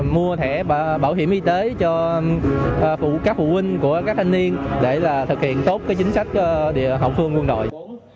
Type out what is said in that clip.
mua thẻ bảo hiểm y tế cho phụ các phụ huynh của các thanh niên để thực hiện tốt chính sách địa hậu phương quân đội